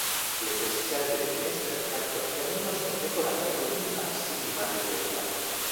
Le persiane delle finestre accanto al camino sono decorate con intarsi in madreperla.